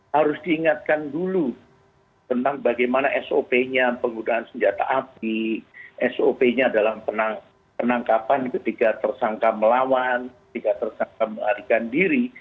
harus diingatkan dulu tentang bagaimana sop nya penggunaan senjata api sop nya dalam penangkapan ketika tersangka melawan ketika tersangka melarikan diri